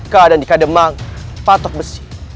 keadaan di kademang patok besi